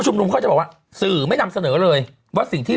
นุมเขาจะบอกว่าสื่อไม่นำเสนอเลยว่าสิ่งที่